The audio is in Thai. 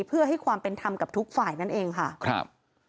เพื่อให้ความเป็นธรรมกับทุกฝ่ายนั่นเองค่ะครับ